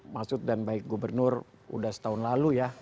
maksud dan baik gubernur sudah setahun lalu ya